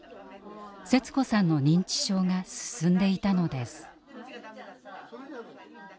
セツ子さんの認知症が進んでいたのです。